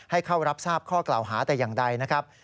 ให้เข้ารับทราบข้อกล่าวหาแต่อย่างใดนะครับ